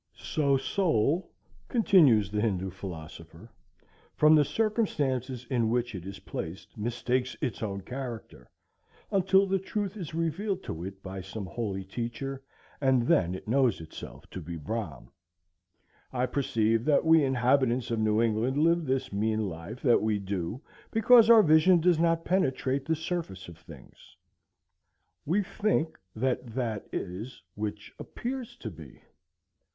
So soul," continues the Hindoo philosopher, "from the circumstances in which it is placed, mistakes its own character, until the truth is revealed to it by some holy teacher, and then it knows itself to be Brahme." I perceive that we inhabitants of New England live this mean life that we do because our vision does not penetrate the surface of things. We think that that is which appears to be.